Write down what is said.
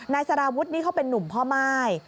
สารวุฒินี่เขาเป็นนุ่มพ่อม่าย